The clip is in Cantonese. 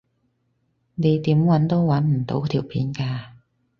你點搵都搵唔到條片㗎